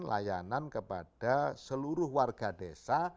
layanan kepada seluruh warga desa